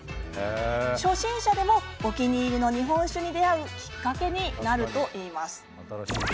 初心者でもお気に入りの日本酒に出会うきっかけになるといいます。